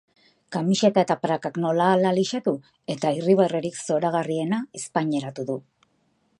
Kamiseta eta prakak nola-hala lisatu eta irribarrerik zoragarriena ezpainetaratu du.